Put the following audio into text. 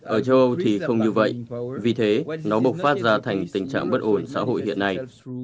ở châu âu thì không như vậy vì thế nó bộc phát ra thành tình trạng bất ổn xã hội hiện nay